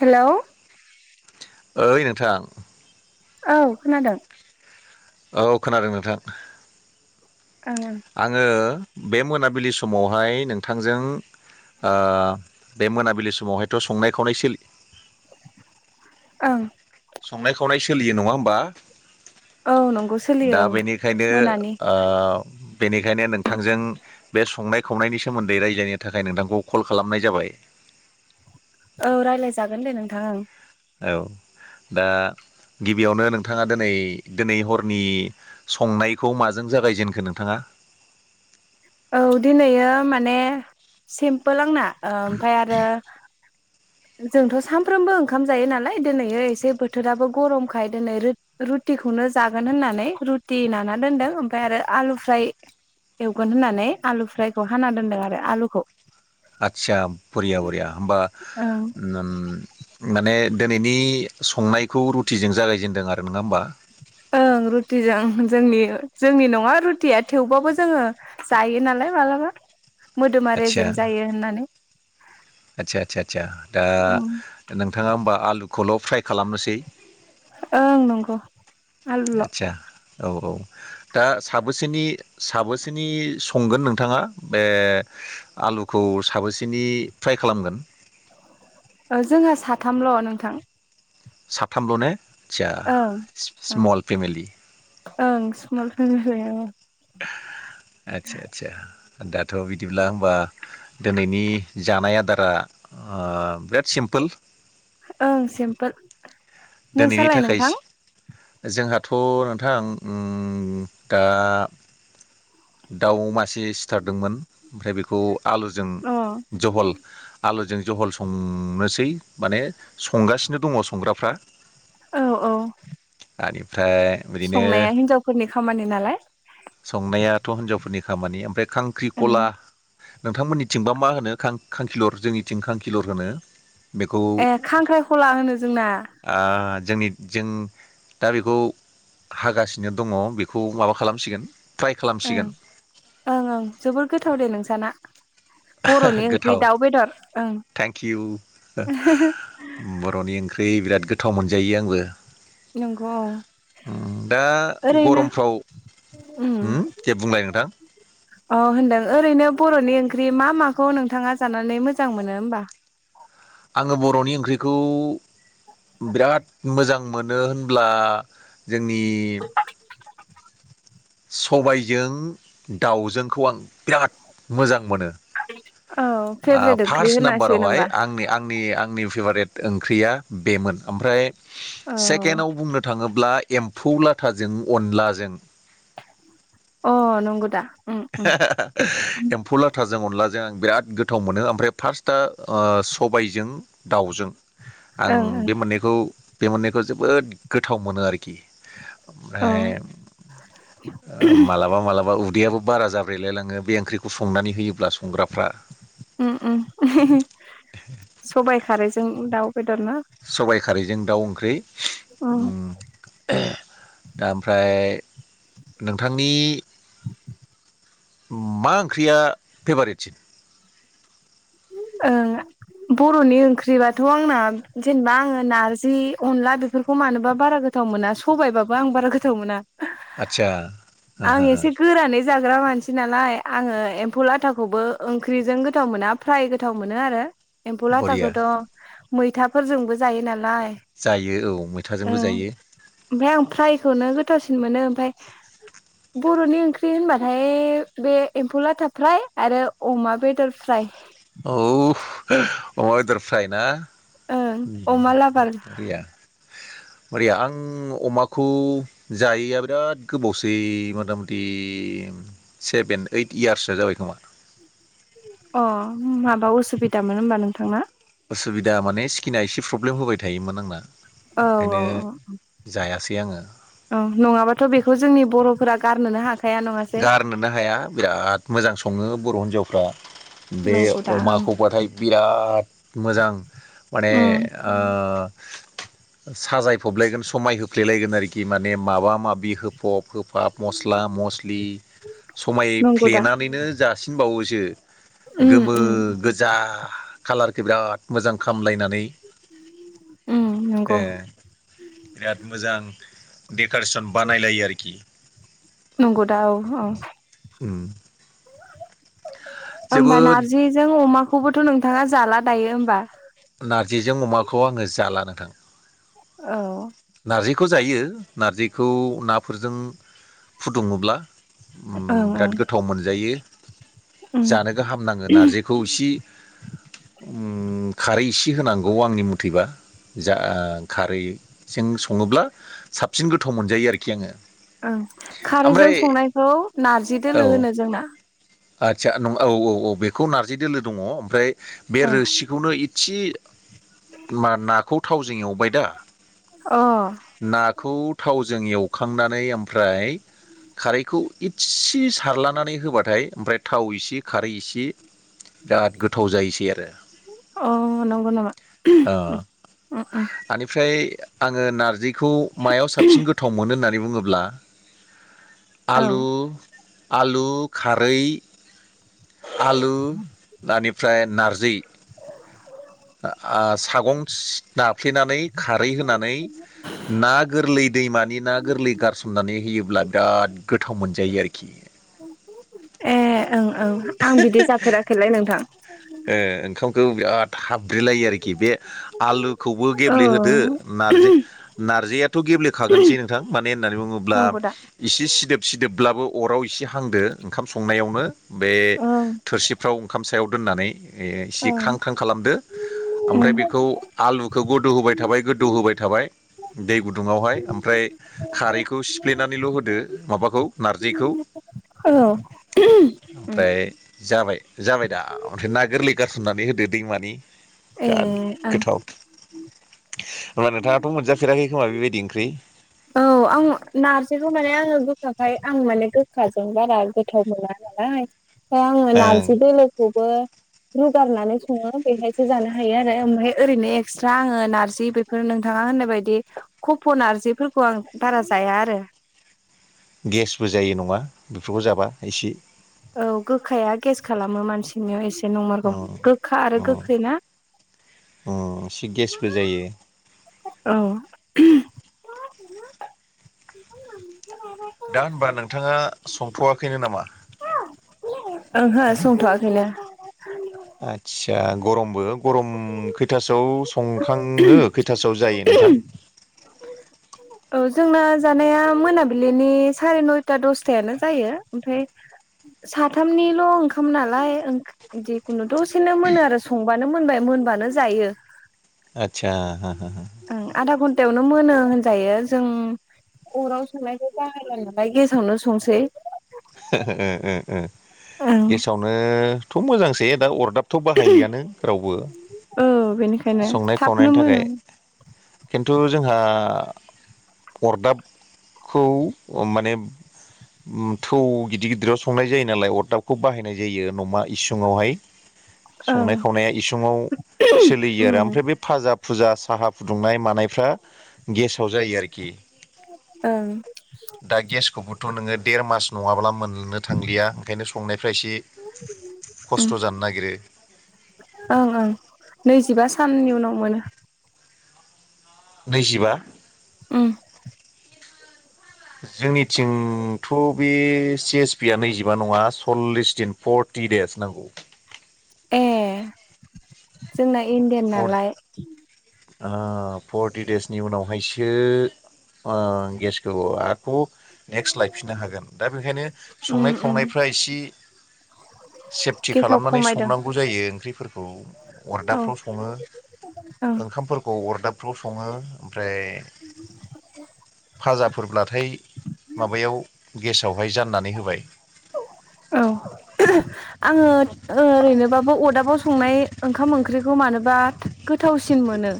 Hello? ओइ नोंथां? औ खोनादों। औ खोनादों नोंथां। ओं ओं आङो बे मोनाबिलि समावहाय नोंथांजों ओ बे मोनाबिलि समावहायथ' संनाय खावनाय सोलि ओं। संनाय खावनाय सोलियो नङा होमबा? औ नंगौ दा सोलियो औ बेनिखायनो मोनानि ओ बेनिखायनो नोंथांजों बे संनाय खावनायनि सोमोन्दै राज्लायनो थाखाय नोंथांखौ खल खालामनाय जाबाय। [inaudible] औ रायलायजागोन दे नोंथां ओं। औ दा गिबियावनो नोंथाङा दोनै दोनै हरनि संनायखौ माजों जागायजेनखो नोंथाङा? [inaudible] औ दिनैयो माने सिमपोल आंना ओ ओमफाय आरो जोंथ' सामफ्रोमबो ओंखाम जायो नालाय दोनैयो एसे बोथोराबो गरमखाय दिनै रो रुटिखौनो जागोन होननानै रुटि नाना दोनदों ओमफ्राय आरो आलु फ्राय एवगोन होननानै आलु फ्रायखौ हाना दोनदों आरो आलुखौ। आच्चा बरिया बरिया। होनबा ओं माने दोनैनि संनायखौ रुटिजों जागायजेनदों आरो नङा होमबा? ओं रुटिजों जोंनि जोंनि नङा रुटिया थेवबाबो जोङो जायो नालाय मालाबा। [inaudible] मोदोमा आदसा रेजें जायो होननानै। आदसा आदसा आदसा। ओं दा नोंथाङा होमबा आलुखौल' फ्राय खालामनोसै? ओं नंग'। आदचा औ औ। दा साबोसेनि साबोसेनि संगोन नोंथाङा बे आ लुखौ साबोसेनि फ्राय खालामगोन? जोंहा साथामल' नोंथां। साथामल' ने च्या स्मल फेमिलि। औ सिमल फेमिलि औ। आदसा आदसा। दाथ' बिदिब्ला होमबा दोनैनि जानाय आदारा बिराद सिम पोल। ओं सिमपोल। दिनैनि नोंसालाय थाखाय नोंथां? जोंहाथ' नोंथां उम दा दाउ मासे सिथारदोंमोन ओमफ्राय बेखौ। आलुजों अ जहल आलुजों जहल सं संनोसै माने संगासिनो दङ संग्राफ्रा। औ औ। ओमफ्राय बिदिनो संनाया हिनजावफोरनि खामानि नालाय संनाया हिनजावफोरनि खामानि ओमफ्राय ओं खांख्रिखला नोंथांमोननिथिंबा मा होनो खांखिलर जोंनिथिं खांखिलर होनो। बेखौ ए खांख्राइखला होनो जोंना ओ जोंनि जों दा बेखौ। हागासिनो दङ बेखौ माबा खालामसिगोन ओमफाय ओं ओं ओं जोबोर गोथाव दे नोंसाना। बर'नि ओंख्रि दाउ बेदर ओं थेंकिउ बर'नि ओंख्रि बिराद गोथाव मोनजायो आंबो नंगौ औ दा ओरैनो गरमफ्राव उम जे बुंलाय नोंथां। अ होनदों ओरैनो बर'नि ओं ओंख्रि मा माखौ नोंथाङा जानानै मोजां मोनो होमबा। आङो बर'नि ओंख्रिखौ बिराद मोजां मोनो होनब्ला जोंनि सबायजों दाउजोंखौ आं बिराद मोजां मोनो। औ फेभरेट ओंख्रि फार्स्ट होनांसिगोन नाम्बारावहाय होमबा आंनि आंनि आंनि फेभारेट। ओंख्रिया बेमोन ओमफ्राय औ सेकेडआव बुंनो थाङोब्ला एम्फौ लाथाजों अनलाजों। अ नंग'दा एम्फौ लाथाजों अनलाजों आं बिराद गोथाव मोनो ओमफ्राय फार्स्टआ सबायजों दाउजों आं ओं बे ओं मोननैखौ बे मोननायखौ जोबोद गोथाव मोनो आरोखि औ ओमफ्राय ओ मालाबा मालाबा उदैयाबो बारा जाब्रेलायलाङो बे ओंख्रिखौ संनानै होयोब्ला संग्राफ्रा उम उम सबाय खारै जों दाउ बेद सबाइ खारैजों दाउ ओंख्रि उम दा ओमफ्राय नोंथांनि मा ओंख्रिया फेभारेटसिन ओं बर'नि ओंख्रिबाथ' आंना जेनेबा आङो नारजि अनला बेफोरखौ मानोबा बारा गोथ गोथाव मोना सबायबाबो आं बारा गोथाव मोना। आतसा ओ आं ओ ओ एसे गोरानै जाग्रा मानसि नालाय आङो एम्फौ आथाखौबो ओंख्रिजों गोथाव मोना। फ्राय गोथाव मोनो आरो एम्फौ बरिया लाथाखौथ' मैथाफोरजोंबो जायो नालाय जायो औ मैथाजोंबो ओं जायो ओमफ्राय आं फ्रायखौनो गोथावसिन मोनो। फ्राय बर'नि ओंख्रि होनबाथाय बे एम्फौ लाथा फ्राय आरो अमा बेदर फ्राय औ अमा बेदर फ्राय ना ओं अमा उम लाबार बरिया मोरै आं अमाखौ जायैआ बिराद गोबावसै मथा मथि सेभेन ओइट इयार्स सो जाबाय खोमा अ माबा असुबिदामोन होमबा नोंथां ना? असुबिदा माने स्किना एसे प्रब्लेम होबाय थायोमोन आंना औ ओंखायनो औ जायासै बे आङो औ नङाबाथ' बेखौ जोंनि बर'फोरा गारनोनो हा गारनोनो हाया बिराद मोजां सङो बर' हिनजावफ्रा। बे नंगौ दा ओं अमाखौबाथाय बिराद मोजां माने उम आ साजायफबलायगोन समाय होफ्लेलायगोन आरोखि माने माबा माबि होफब होफब। फाब मस्ला मस्लि समाय नंगौ दा फ्लेनानैनो जासिनबावोसो। उम गोमो उम गोजा कालारखौ बिराद मोजां खामलायनानै। उम ए नंगौ बिराद मोजां। कारेसन बानायलायो आरोखि। नंगौ दा औ औ। उम। होमबा जोबोद नारजिजों अमाखौबोथ' नोंथाङा जाला दायो होमबा। नारजिजों अमाखौ आङो जाला नोंथां। औ। नार्जिखौ जायो नारजिखौ नाफोरजों फुदुङोब्ला उम ओं बिराद ओं गोथाव मोनजायो। उम जानो गाहाम नाङो नारजिखौ इसि उम। उम खारै इसे होनांगौ आंनि मथेबा जा खारै जों सङोब्ला साबसिन गोथाव मोनजायो आरोखि आङो। ओं खारैजों ओमफ्राय संनायखौ नारजि दोलो औ होनो जोंना। आदसा नं औ औ औ बेखौ नारजि दोलो दङ ओमफ्राय बे औ रोसिखौनो इसे मा ना थावजों एवबाय दा अ नाखौ थावजों जों एवखांनानै ओमफ्राय खारैखौ इसे सारलनानै होबाथाय। ओमफ्राय थाव इसे खारै इसे बिराद गोथाव जायोसै आरो अ नंगौ नामा अ उम उम आनिफ्राय आङो नारजिखौ मायाव साबसिन गोथाव मोनो होननानै बुङोब्ला औ आलु आलु खारै आलु बेनिफ्राय नारजि [unintelligible] सागं नाफ्लेनानै खारै होनानै ना गोरलै दैमानि ना गोरलै गारसोमनानै होयोब्ला बिराद गोथाव मोनजायो आरोखि। [unintelligible] ए ओं ओं आं बिदि जाफेराखैलै नोंथां। ओ ओंखामखौ बिराद हाब्रेलायो आरोखि बे आलुखौबो गेब्लेहोदो औ नारजि नारजियाथ' गे गेब्लेखागोनसै नोंथां मानो होननानै बुङोब्ला नंगौ दा एसे सिदोब सिदोबब्लाबो अराव एसे हांदो ओंखाम संनायावनो बे ओं थोरसिफ्राव ओंखाम सायाव दोननानै ए इसे ओं ख्रां ख्रां खालामदो ओमफ्राय उम बेखौ आलुखौ गोदौ होबाय थाबाय गोदौ होबाय थाबाय। दै गुदुङावहाय ओमफ्राय खारैखौ सिफ्लेनानैल' होदो माबाखौ नारजिखौ ओमफ्राय औ। जाबाय जाबाय दा ओमफ्राय ना गोरलै गारसननानै होदो दैमानि ए बिराद ओं गोथाव। होनबा नोंथाङाथ' मोनजाफेराखै खोमा बेबायदि ओंख्रि औ आं नारजिखौ माने आङो गोखाखाय आं माने गोखाजों बारा गोथाव मोना नालाय। फ्राय आङो ओं नारजि दोलोखौबो रुगारनानै सङो बेहायसो जानो हायो आरो ओमफ्राय ओरैनो एक्सट्रा आङो नारजि बेफोर नोंथाङा होननाय बायदि कपन नारजिफोरखौ आं बारा जाया आरो गेसबो जायो नङा बेफोरखौ जाबा एसे औ गोखाया गेस खालामो मानसिनियाव एसे नंमारगौ गोखा आरो गोखै ना? अ एसे गेसबो जायो। औ। दा होनबा नोंथाङा संथ'वाखैनो नामा? संथ'आखैनो। आतसा, गरमबो गरम खैथासोआव संखाङो खैथासोआव जायो नोंथां? औ जों जानाया मोनाबिलिनि साराय नयथा दसतानो जायो ओमफ्राय साथामनिल' ओंखाम नालाय ओं जिखुनु दसेनो मोनो आरो संबानो मोनबाय मोनबानो जायो। आतसा हो हो, ओ आधा घन्टायावनो मोनो होनजायो जों अराव संनायखौ बाहायला नालाय गेसावनो संसै ओ ओ ओ ओं गेसावनोथ' मोजांसै दा अरदाब थ' बाहायलियानो रावबो औ बेनिखायनो संनाय थाबनो खावनायनि मोनो थाखाय खिन्थु जोंहा अरदाबखौ माने मुं थौ गिदिर गिदिराव संनाय जायो नालाय अरदाबखौ बाहायनाय जायो न'मा इसुङावहाय ओं संनाय खावनाया इसुङाव सोलियो उम आरो ओमफ्राय बे भाजाब फुजा साहा फुदुंनाय मानायफ्रा गेसाव जायो आरोखि। ओं दा गेसखौबोथ' नोङो देर मास नङाब्ला मोननो थांलिया ओंखायनो फ्रायसे उम खस्थ' जानो नागिरो। ओं ओं नैजिबा साननि उनाव मोनो। नैजिबा? उम, जोंनिथिंथ' बे सि एस पि आ नैजिबा नङा सल्लिस दिन पर्ट टि देस नांगौ। ए जोंना इणडियान नालाय अ फर्टि देसनि उनावहायसो अ गेसखौ आख' नेक्स्ट लायफिननो हागोन। दा बेखायनो उम संनाय उम खावनायफ्रा इसे सेफटि गेसाव खालामनानै खमायदों संनांगौ जायो ओंख्रि औ अरदाबफ्राव सङो ओं ओंखामफोरखौ अरदाबफ्राव सङो ओमफ्राय फाजाफोरब्लाथाय माबायाव गेसावहाय जाननानै होबाय। औ आङो ओरैनो बाबो अदाबाव संनाय ओंखाम ओंख्रिखौ मानोबा गोथावसिन मोनो।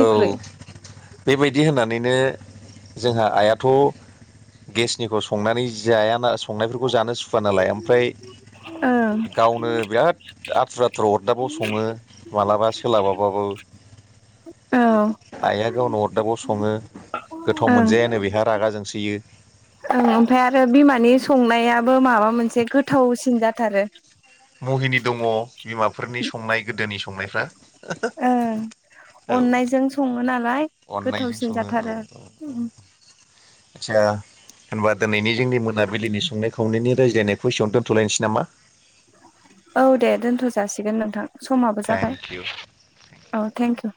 औ बेबायदि होननानैनो जोंहा आइयाथ' गेसनिखौ संनानै जायाना संनायफोरखौ जानो सुखुवा नालाय आमफ्राय ओ गावनो बिराद आथुर आथुर अरदाबाव सङो मालाबा सोलाबाबाबो। औ। आइआ गावनो अरदाबाव सङो गोथाव मोनजायानो बेहा रागा जोंसोयो। औ, आमफाय आरो बिमानि संनायाबो माबा मोनसे गोथावसिन जाथारो। महिनि दङ बिमाफोरनि संनाय गोदोनि संनायफ्रा ओ हो हो। ओं अननायजों सङो नालाय अननायजों गोथावसिन सङो जाथारो औ अह आदसा होनबा दोनैनि जोंनि मोनाबिलिनि संनाय खावनायनि रायज्लायनायखौ एसेयावनो दोनथ'लायनोसै नामा? औ दे दोनथ' जासिगोन नोंथां समाबो जाबाय थेंक इउ औ थेंकिउ।